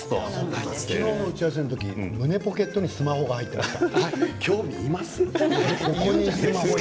昨日の打ち合わせの時に胸ポケットにスマホが入っていた。